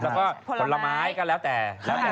แล้วก็ผลไม้ก็แล้วแต่